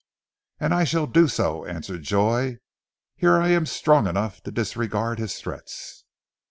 "And I shall do so," answered Joy. "Here I am strong enough to disregard his threats."